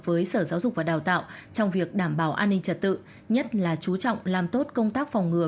với sở giáo dục và đào tạo trong việc đảm bảo an ninh trật tự nhất là chú trọng làm tốt công tác phòng ngừa